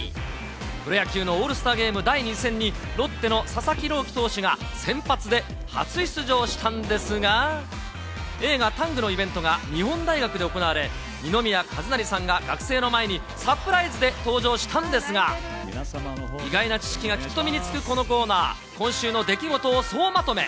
プロ野球のオールスターゲーム第２戦に、ロッテの佐々木朗希投手が先発で初出場したんですが、映画、タングのイベントが、日本大学で行われ、二宮和也さんが学生の前にサプライズで登場したんですが、意外な知識がきっと身につくこのコーナー、今週の出来事を総まとめ。